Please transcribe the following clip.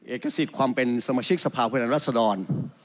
เอกสิทธิ์ความเป็นสมาชิกสภาผู้แทนรัศดร